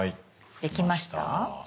できました。